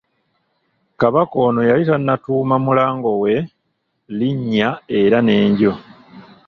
Kabaka ono yali tannatuuma Mulango we linnya, era n'enju.